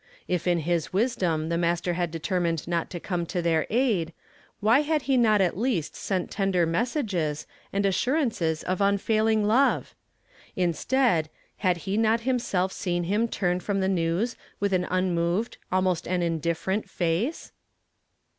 If in his wisdom the Master had determined not to come to their aid, why had he not at least sent tender messajj^es, and assurances of unfailing love? Instead, had he not himself seen him turn from the news with an unmoved, almost an indifferent, face